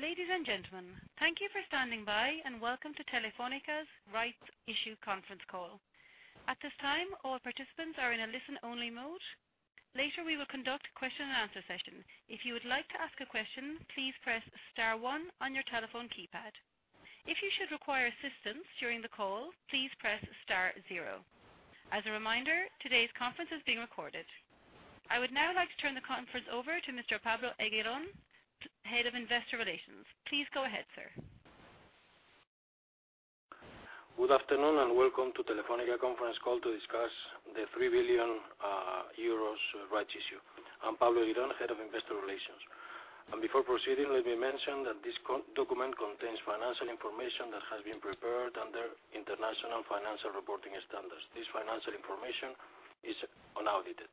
Ladies and gentlemen, thank you for standing by, and welcome to Telefónica's Rights Issue Conference Call. At this time, all participants are in a listen-only mode. Later, we will conduct a question and answer session. If you would like to ask a question, please press star one on your telephone keypad. If you should require assistance during the call, please press star zero. As a reminder, today's conference is being recorded. I would now like to turn the conference over to Mr. Pablo Eguidazu, Head of Investor Relations. Please go ahead, sir. Good afternoon, and welcome to Telefónica Conference Call to discuss the 3 billion euros rights issue. I'm Pablo Eguidazu, Head of Investor Relations. Before proceeding, let me mention that this document contains financial information that has been prepared under International Financial Reporting Standards. This financial information is unaudited.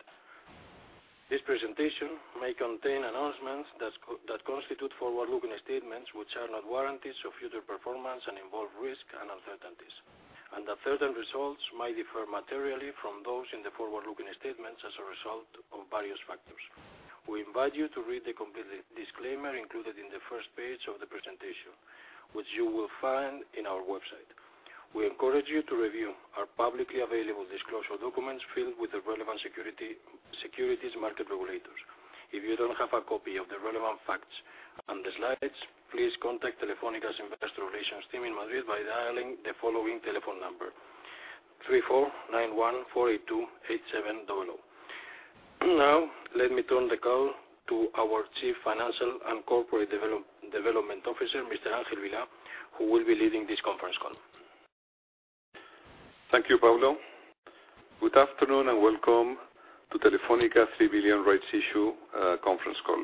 This presentation may contain announcements that constitute forward-looking statements, which are not guarantees of future performance and involve risk and uncertainties. The certain results might differ materially from those in the forward-looking statements as a result of various factors. We invite you to read the complete disclaimer included in the first page of the presentation, which you will find on our website. We encourage you to review our publicly available disclosure documents filled with the relevant securities market regulators. If you don't have a copy of the relevant facts and the slides, please contact Telefónica's Investor Relations Team in Madrid by dialing the following telephone number, 34914828700. Now, let me turn the call to our Chief Financial and Corporate Development Officer, Mr. Ángel Vilá, who will be leading this conference call. Thank you, Pablo. Good afternoon, and welcome to Telefónica 3 billion rights issue conference call.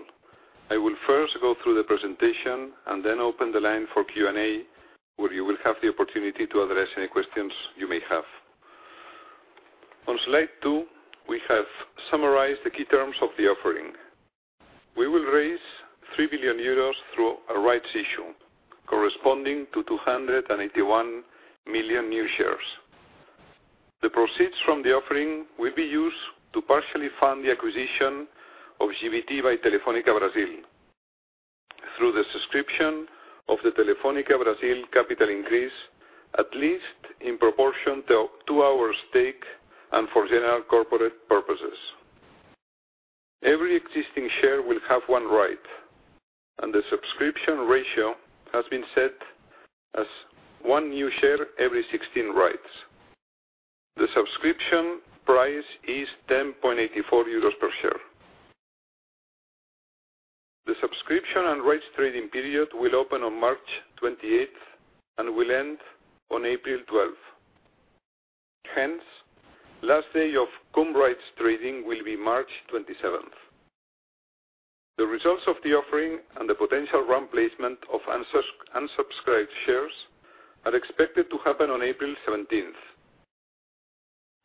I will first go through the presentation and then open the line for Q&A, where you will have the opportunity to address any questions you may have. On slide two, we have summarized the key terms of the offering. We will raise 3 billion euros through a rights issue, corresponding to 281 million new shares. The proceeds from the offering will be used to partially fund the acquisition of GVT by Telefónica Brasil through the subscription of the Telefónica Brasil capital increase, at least in proportion to our stake and for general corporate purposes. Every existing share will have one right, and the subscription ratio has been set as one new share every 16 rights. The subscription price is 10.84 euros per share. The subscription and rights trading period will open on March 28th and will end on April 12th. Last day of cum rights trading will be March 27th. The results of the offering and the potential run placement of unsubscribed shares are expected to happen on April 17th.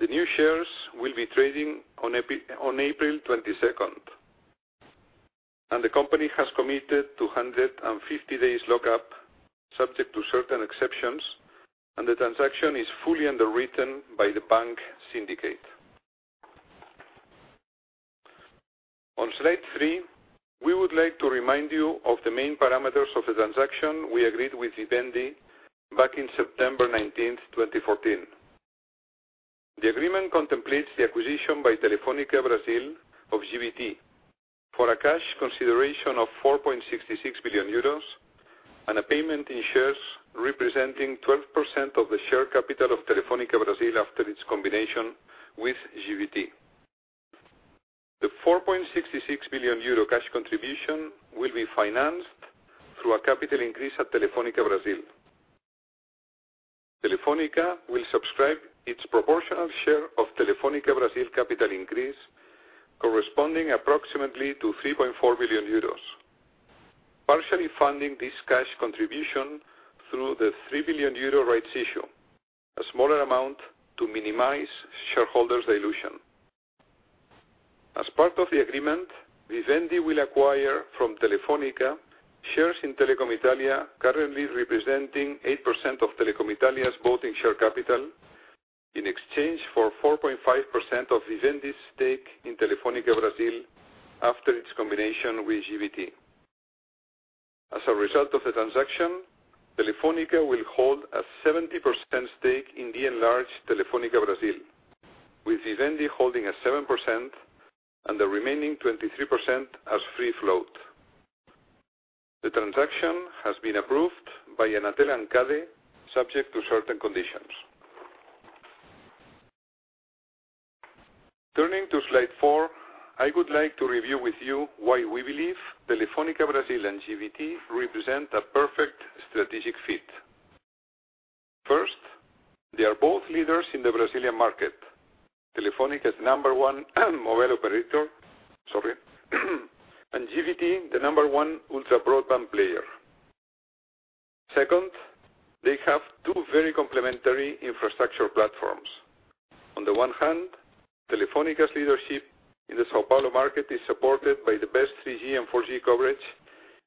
The new shares will be trading on April 22nd. The company has committed to 150 days lockup, subject to certain exceptions. The transaction is fully underwritten by the bank syndicate. On slide three, we would like to remind you of the main parameters of the transaction we agreed with Vivendi back in September 19th, 2014. The agreement contemplates the acquisition by Telefónica Brasil of GVT for a cash consideration of 4.66 billion euros. A payment in shares representing 12% of the share capital of Telefónica Brasil after its combination with GVT. The 4.66 billion euro cash contribution will be financed through a capital increase at Telefónica Brasil. Telefónica will subscribe its proportional share of Telefónica Brasil capital increase, corresponding approximately to 3.4 billion euros. Partially funding this cash contribution through the 3 billion euro rights issue, a smaller amount to minimize shareholders' dilution. As part of the agreement, Vivendi will acquire from Telefónica shares in Telecom Italia, currently representing 8% of Telecom Italia's voting share capital in exchange for 4.5% of Vivendi's stake in Telefónica Brasil after its combination with GVT. As a result of the transaction, Telefónica will hold a 70% stake in the enlarged Telefónica Brasil, with Vivendi holding a 7% and the remaining 23% as free float. The transaction has been approved by Anatel and CADE, subject to certain conditions. Turning to slide four, I would like to review with you why we believe Telefónica Brasil and GVT represent a perfect strategic fit. First, they are both leaders in the Brazilian market, Telefónica's number one mobile operator, sorry, and GVT, the number one ultra broadband player. Second, they have two very complementary infrastructure platforms. On the one hand, Telefónica's leadership in the São Paulo market is supported by the best 3G and 4G coverage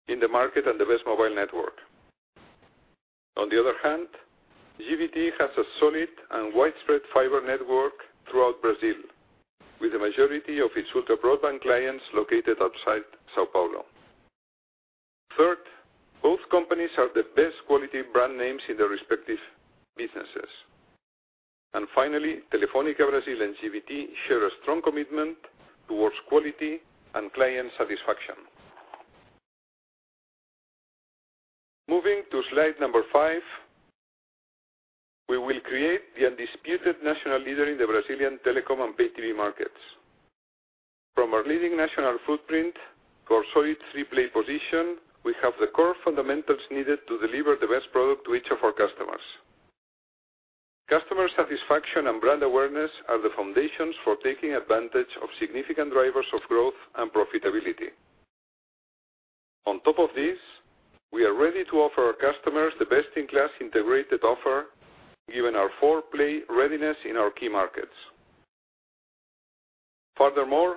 in the market and the best mobile network. On the other hand, GVT has a solid and widespread fiber network throughout Brazil, with the majority of its ultra-broadband clients located outside São Paulo. Third, both companies are the best quality brand names in their respective businesses. Finally, Telefónica Brasil and GVT share a strong commitment towards quality and client satisfaction. Moving to slide number five, we will create the undisputed national leader in the Brazilian telecom and pay TV markets. From our leading national footprint to our solid three-play position, we have the core fundamentals needed to deliver the best product to each of our customers. Customer satisfaction and brand awareness are the foundations for taking advantage of significant drivers of growth and profitability. On top of this, we are ready to offer our customers the best-in-class integrated offer, given our four-play readiness in our key markets. Furthermore,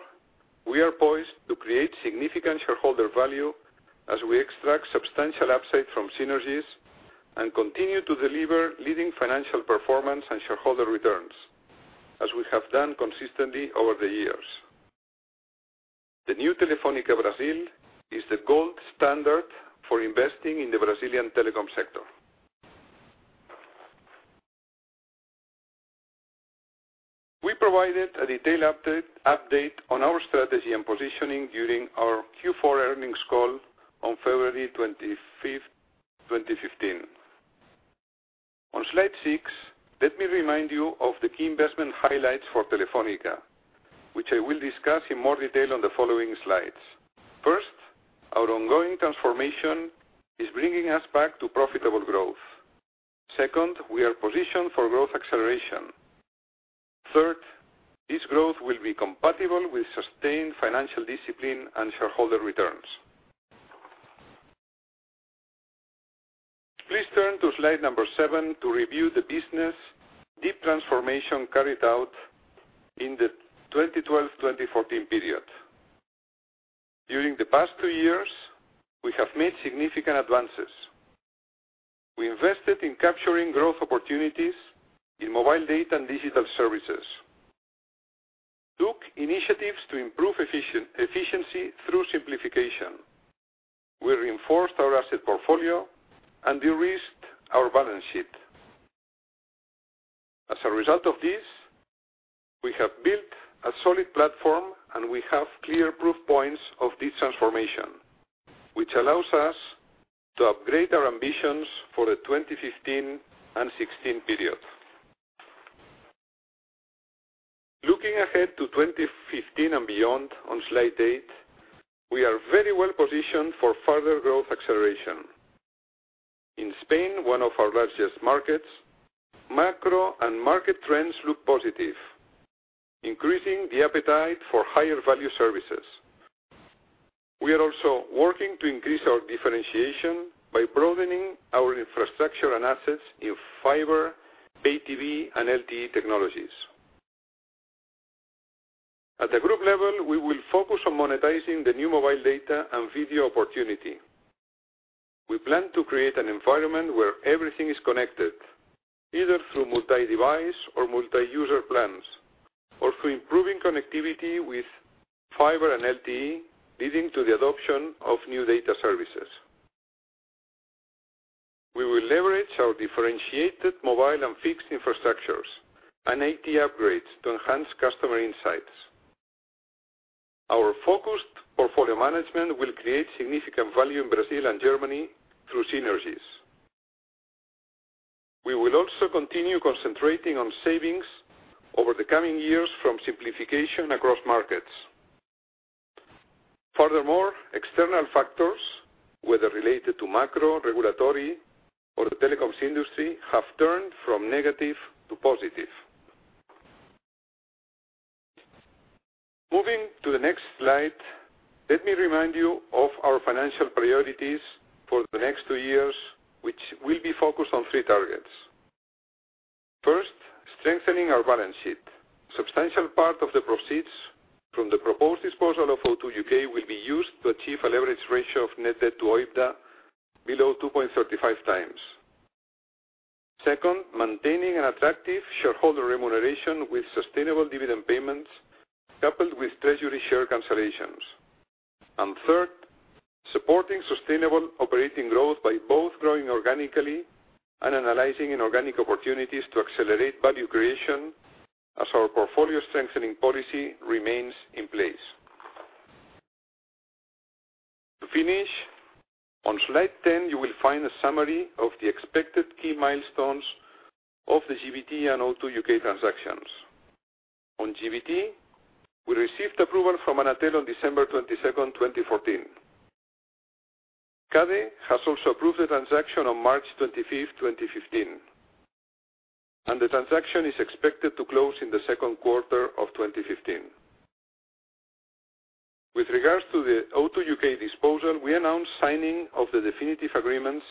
we are poised to create significant shareholder value as we extract substantial upside from synergies and continue to deliver leading financial performance and shareholder returns, as we have done consistently over the years. The new Telefónica Brasil is the gold standard for investing in the Brazilian telecom sector. We provided a detailed update on our strategy and positioning during our Q4 earnings call on February 25th, 2015. On slide six, let me remind you of the key investment highlights for Telefónica, which I will discuss in more detail on the following slides. First, our ongoing transformation is bringing us back to profitable growth. Second, we are positioned for growth acceleration. Third, this growth will be compatible with sustained financial discipline and shareholder returns. Please turn to slide number seven to review the business deep transformation carried out in the 2012-2014 period. During the past two years, we have made significant advances. We invested in capturing growth opportunities in mobile data and digital services, took initiatives to improve efficiency through simplification. We reinforced our asset portfolio and de-risked our balance sheet. As a result of this, we have built a solid platform. We have clear proof points of this transformation, which allows us to upgrade our ambitions for the 2015 and 2016 period. Looking ahead to 2015 and beyond on slide eight, we are very well positioned for further growth acceleration. In Spain, one of our largest markets, macro and market trends look positive, increasing the appetite for higher-value services. We are also working to increase our differentiation by broadening our infrastructure and assets in fiber, pay TV, and LTE technologies. At the group level, we will focus on monetizing the new mobile data and video opportunity. We plan to create an environment where everything is connected, either through multi-device or multi-user plans, or through improving connectivity with fiber and LTE, leading to the adoption of new data services. We will leverage our differentiated mobile and fixed infrastructures and IT upgrades to enhance customer insights. Our focused portfolio management will create significant value in Brazil and Germany through synergies. We will also continue concentrating on savings over the coming years from simplification across markets. External factors, whether related to macro, regulatory, or the telecoms industry, have turned from negative to positive. Moving to the next slide, let me remind you of our financial priorities for the next two years, which will be focused on three targets. First, strengthening our balance sheet. A substantial part of the proceeds from the proposed disposal of O2 UK will be used to achieve a leverage ratio of net debt to OIBDA below 2.35 times. Second, maintaining an attractive shareholder remuneration with sustainable dividend payments coupled with treasury share cancellations. Third, supporting sustainable operating growth by both growing organically and analyzing inorganic opportunities to accelerate value creation as our portfolio strengthening policy remains in place. To finish, on slide 10, you will find a summary of the expected key milestones of the GVT and O2 UK transactions. On GVT, we received approval from Anatel on December 22nd, 2014. CADE has also approved the transaction on March 25th, 2015, and the transaction is expected to close in the second quarter of 2015. With regards to the O2 UK disposal, we announced signing of the definitive agreements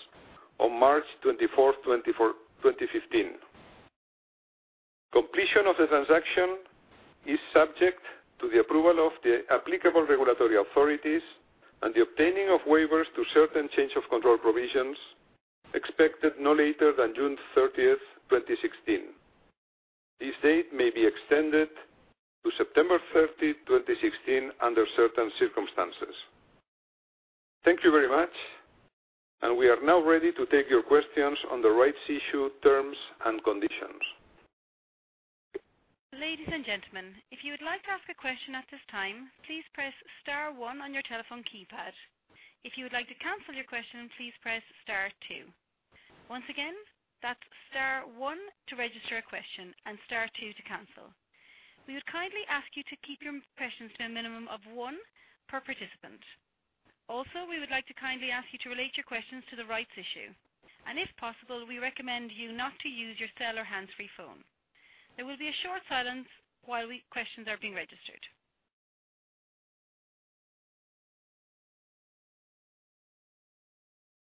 on March 24th, 2015. Completion of the transaction is subject to the approval of the applicable regulatory authorities and the obtaining of waivers to certain change of control provisions expected no later than June 30th, 2016. This date may be extended to September 30, 2016, under certain circumstances. Thank you very much. We are now ready to take your questions on the rights issue terms and conditions. Ladies and gentlemen, if you would like to ask a question at this time, please press star one on your telephone keypad. If you would like to cancel your question, please press star two. Once again, that's star one to register a question and star two to cancel. We would kindly ask you to keep your questions to a minimum of one per participant. We would like to kindly ask you to relate your questions to the rights issue, and if possible, we recommend you not to use your cell or hands-free phone. There will be a short silence while questions are being registered.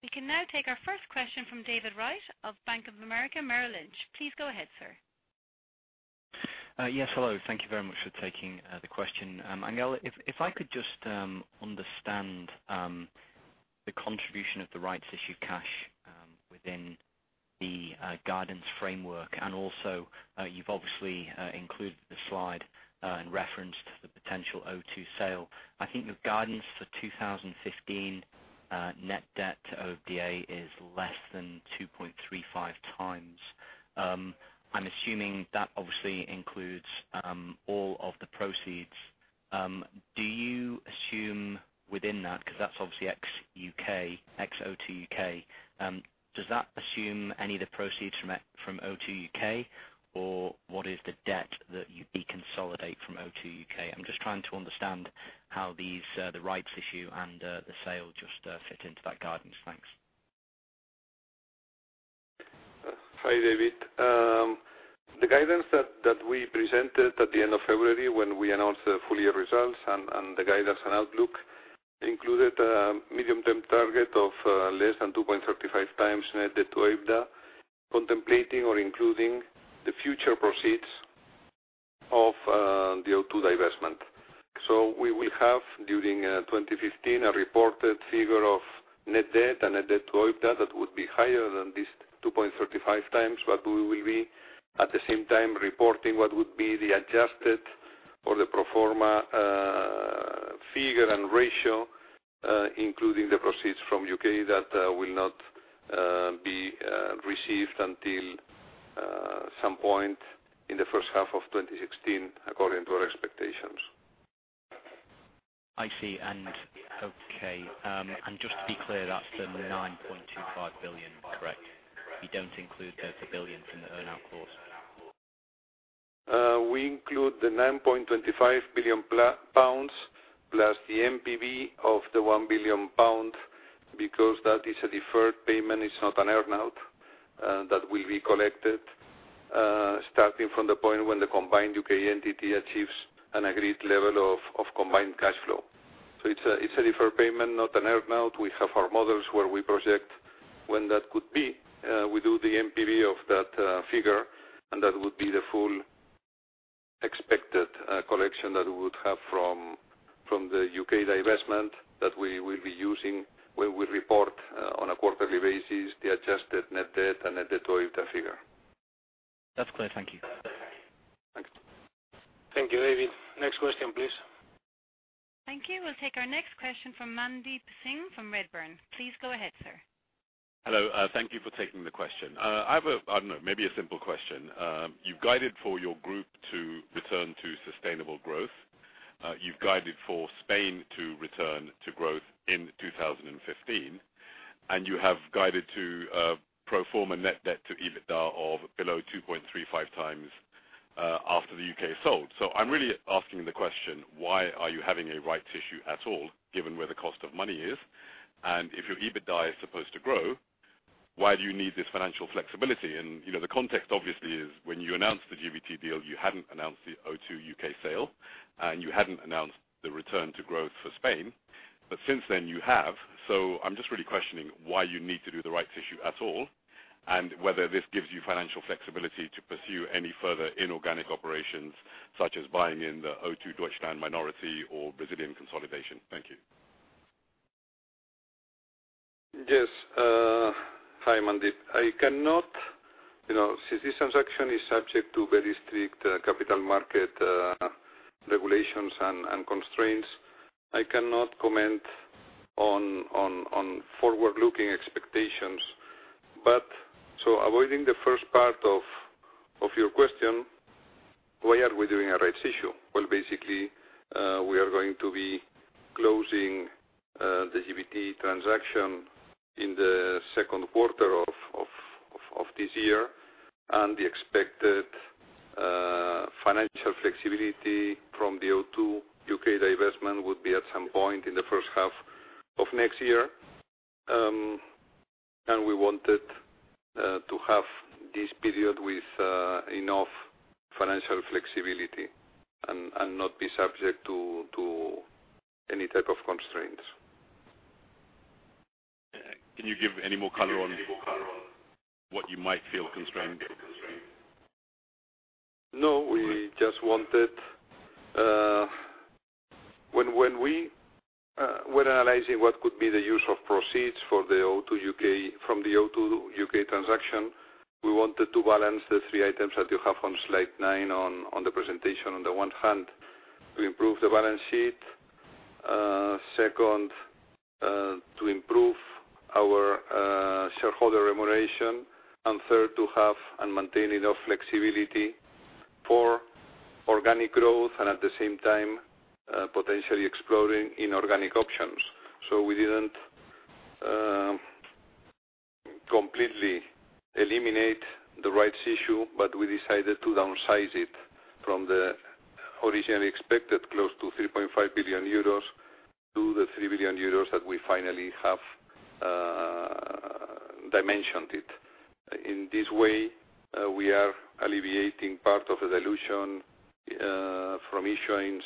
We can now take our first question from David Wright of Bank of America, Merrill Lynch. Please go ahead, sir. Yes. Hello. Thank you very much for taking the question. Ángel, if I could just understand the contribution of the rights issue cash within the guidance framework. You've obviously included the slide in reference to the potential O2 sale. I think your guidance for 2015 net debt to EBITDA is less than 2.35 times. I'm assuming that obviously includes all of the proceeds. Do you assume within that, because that's obviously ex U.K., ex O2 UK, does that assume any of the proceeds from O2 UK? What is the debt that you deconsolidate from O2 UK? I'm just trying to understand how the rights issue and the sale just fit into that guidance. Thanks. Hi, David. The guidance that we presented at the end of February when we announced the full year results and the guidance and outlook included a medium-term target of less than 2.35 times net debt to EBITDA, contemplating or including the future proceeds of the O2 divestment. We will have, during 2015, a reported figure of net debt and net debt to EBITDA that would be higher than this 2.35 times. We will be, at the same time, reporting what would be the adjusted or the pro forma figure and ratio, including the proceeds from U.K. that will not be received until some point in the first half of 2016, according to our expectations. I see. Okay. Just to be clear, that's the 9.25 billion, correct? You don't include the GBP 1 billion from the earn-out clause. We include the 9.25 billion pounds, plus the NPV of the 1 billion pound, because that is a deferred payment, it's not an earn-out, that will be collected starting from the point when the combined U.K. entity achieves an agreed level of combined cash flow. It's a deferred payment, not an earn-out. We have our models where we project when that could be. We do the NPV of that figure, and that would be the full expected collection that we would have from the U.K. divestment that we will be using when we report on a quarterly basis, the adjusted net debt and net debt to EBITDA figure. That's clear. Thank you. Thanks. Thank you, David. Next question, please. Thank you. We'll take our next question from Mandeep Singh from Redburn. Please go ahead, sir. Hello. Thank you for taking the question. I have, I don't know, maybe a simple question. You've guided for your group to return to sustainable growth. You've guided for Spain to return to growth in 2015, and you have guided to pro forma net debt to EBITDA of below 2.35 times after the U.K. is sold. I'm really asking the question, why are you having a rights issue at all, given where the cost of money is? If your EBITDA is supposed to grow, why do you need this financial flexibility? The context obviously is when you announced the GVT deal, you hadn't announced the O2 UK sale, and you hadn't announced the return to growth for Spain, but since then you have. I'm just really questioning why you need to do the rights issue at all, and whether this gives you financial flexibility to pursue any further inorganic operations, such as buying in the O2 Deutschland minority or Brazilian consolidation. Thank you. Yes. Hi, Mandeep. Since this transaction is subject to very strict capital market regulations and constraints, I cannot comment on forward-looking expectations. Avoiding the first part of your question, why are we doing a rights issue? Well, basically, we are going to be closing the GVT transaction in the second quarter of this year, and the expected financial flexibility from the O2 UK divestment would be at some point in the first half of next year. We wanted to have this period with enough financial flexibility and not be subject to any type of constraints. Can you give any more color on what you might feel constrained? When analyzing what could be the use of proceeds from the O2 UK transaction, we wanted to balance the three items that you have on slide nine on the presentation. On the one hand, to improve the balance sheet. Second, to improve our shareholder remuneration, third, to have and maintain enough flexibility for organic growth and at the same time, potentially exploring inorganic options. We didn't completely eliminate the rights issue, we decided to downsize it from the originally expected close to €3.5 billion to the €3 billion that we finally have dimensioned it. In this way, we are alleviating part of the dilution from issuings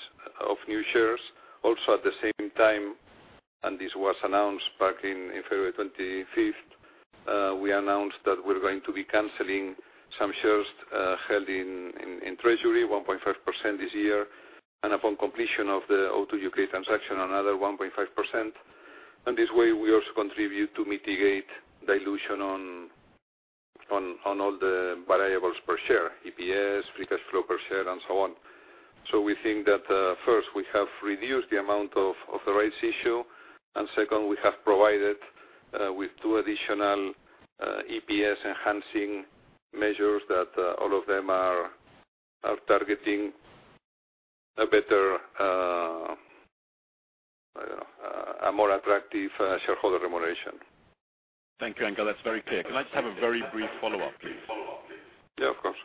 of new shares. Also at the same time, this was announced back on February 25th, we announced that we're going to be canceling some shares held in treasury, 1.5% this year, upon completion of the O2 UK transaction, another 1.5%. This way, we also contribute to mitigate dilution on all the variables per share, EPS, free cash flow per share, and so on. We think that, first, we have reduced the amount of the rights issue, second, we have provided with two additional EPS-enhancing measures that all of them are targeting a more attractive shareholder remuneration. Thank you, Ángel. That's very clear. Can I just have a very brief follow-up, please? Yeah, of course.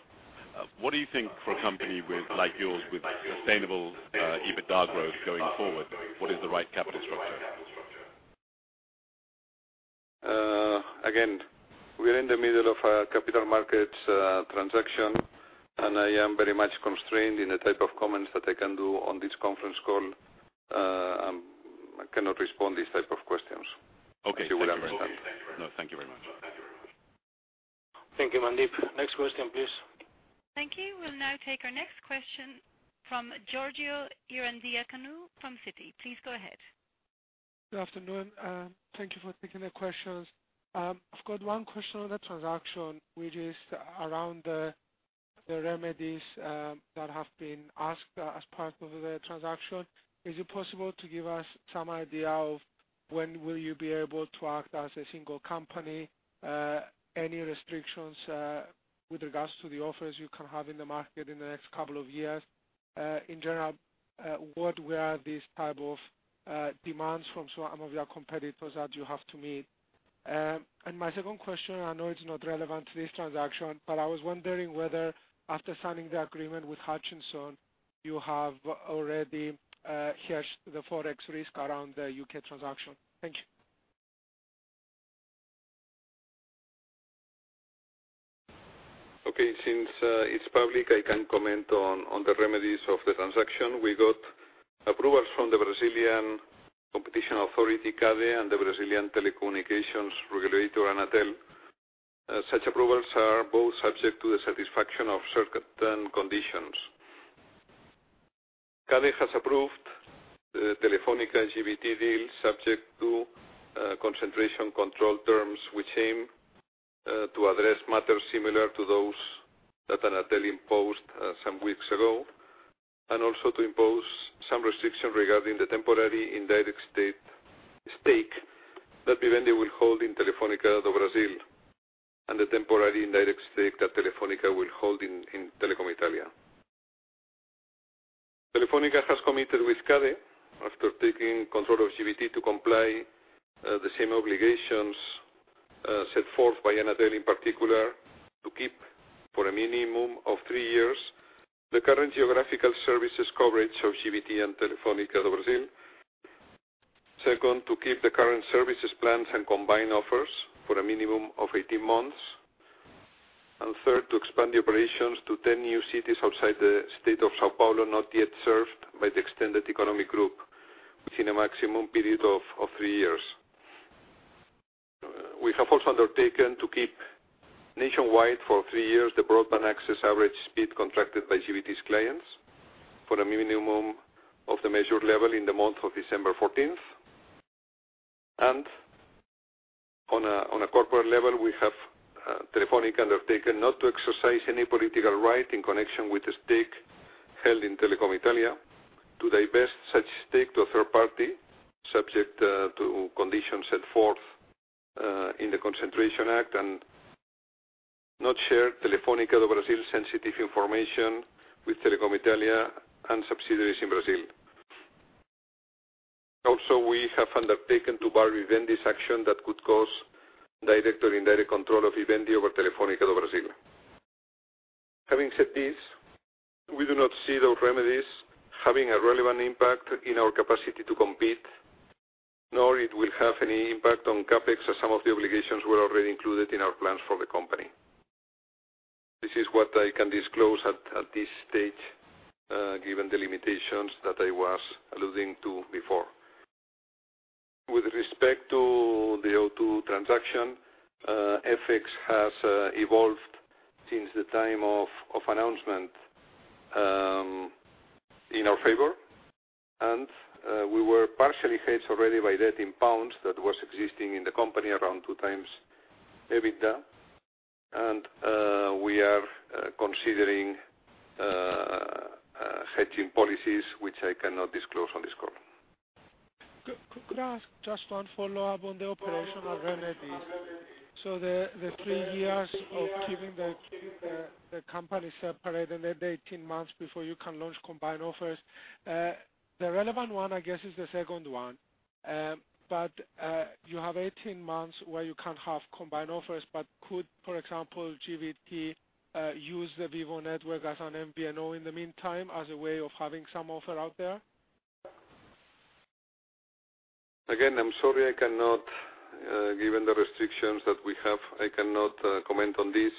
What do you think for a company like yours with sustainable EBITDA growth going forward, what is the right capital structure? Again, we are in the middle of a capital markets transaction, and I am very much constrained in the type of comments that I can do on this conference call. I cannot respond these type of questions. Okay. I see what I mean. No, thank you very much. Thank you, Mandeep. Next question, please. Thank you. We'll now take our next question from Georgios Ierodiaconou from Citi. Please go ahead. Good afternoon. Thank you for taking the questions. I've got one question on the transaction, which is around the remedies that have been asked as part of the transaction. Is it possible to give us some idea of when will you be able to act as a single company, any restrictions with regards to the offers you can have in the market in the next couple of years? In general, what were these type of demands from some of your competitors that you have to meet? My second question, I know it's not relevant to this transaction, but I was wondering whether after signing the agreement with Hutchison, you have already hedged the Forex risk around the U.K. transaction. Thank you. Okay, since it's public, I can comment on the remedies of the transaction. We got approvals from the Brazilian Competition Authority, CADE, and the Brazilian Telecommunications Regulator, Anatel. Such approvals are both subject to the satisfaction of certain conditions. CADE has approved the Telefónica GVT deal subject to concentration control terms, which aim to address matters similar to those that Anatel imposed some weeks ago, and also to impose some restriction regarding the temporary indirect stake that Vivendi will hold in Telefónica do Brasil, and the temporary indirect stake that Telefónica will hold in Telecom Italia. Telefónica has committed with CADE, after taking control of GVT, to comply the same obligations set forth by Anatel, in particular, to keep for a minimum of three years, the current geographical services coverage of GVT and Telefónica do Brasil. Second, to keep the current services plans and combine offers for a minimum of 18 months. Third, to expand the operations to 10 new cities outside the state of São Paulo not yet served by the extended economic group within a maximum period of three years. We have also undertaken to keep nationwide for three years the broadband access average speed contracted by GVT's clients for a minimum of the measured level in the month of December 14th. On a corporate level, we have, Telefónica, undertaken not to exercise any political right in connection with the stake held in Telecom Italia to divest such stake to a third party, subject to conditions set forth in the Concentration Act and not share Telefónica do Brasil's sensitive information with Telecom Italia and subsidiaries in Brazil. Also, we have undertaken to bar Vivendi's action that could cause direct or indirect control of Vivendi over Telefónica do Brasil. Having said this, we do not see those remedies having a relevant impact in our capacity to compete, nor it will have any impact on CapEx, as some of the obligations were already included in our plans for the company. This is what I can disclose at this stage, given the limitations that I was alluding to before. With respect to the O2 transaction, FX has evolved since the time of announcement in our favor, and we were partially hedged already by debt in GBP that was existing in the company around two times EBITDA. We are considering hedging policies, which I cannot disclose on this call. Could I ask just one follow-up on the operational remedies? The three years of keeping the company separate and then the 18 months before you can launch combined offers. The relevant one, I guess, is the second one. You have 18 months where you can't have combined offers, but could, for example, GVT use the Vivo network as an MVNO in the meantime as a way of having some offer out there? Again, I'm sorry, given the restrictions that we have, I cannot comment on this.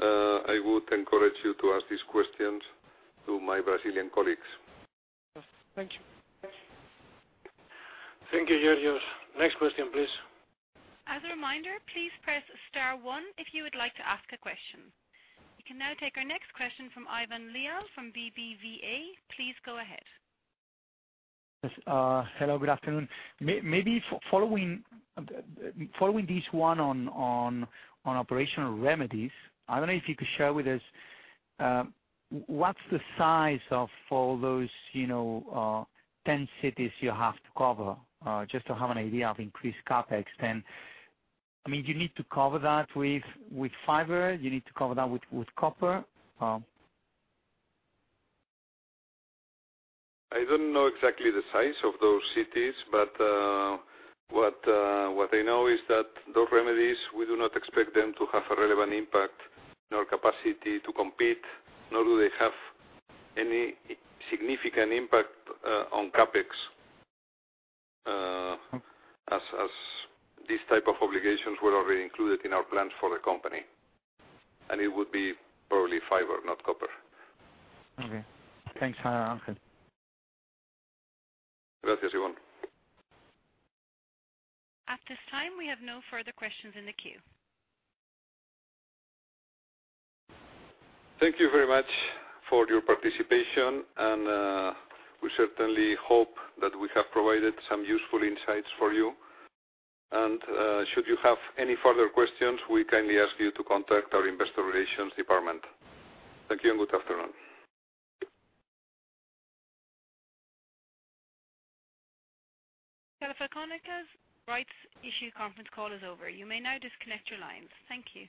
I would encourage you to ask these questions to my Brazilian colleagues. Thank you. Thank you, Georgios. Next question, please. As a reminder, please press star one if you would like to ask a question. We can now take our next question from Ivón Leal from BBVA. Please go ahead. Yes. Hello, good afternoon. Maybe following this one on operational remedies, I don't know if you could share with us what's the size of all those 10 cities you have to cover, just to have an idea of increased CapEx. Do you need to cover that with fiber? Do you need to cover that with copper? I don't know exactly the size of those cities, but what I know is that those remedies, we do not expect them to have a relevant impact on our capacity to compete, nor do they have any significant impact on CapEx, as these type of obligations were already included in our plans for the company. It would be probably fiber, not copper. Okay. Thanks a lot, Ángel. Gracias, Ivón. At this time, we have no further questions in the queue. Thank you very much for your participation. We certainly hope that we have provided some useful insights for you. Should you have any further questions, we kindly ask you to contact our investor relations department. Thank you and good afternoon. Telefónica's rights issue conference call is over. You may now disconnect your lines. Thank you.